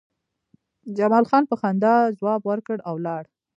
جمال خان په خندا ځواب ورکړ او لاړ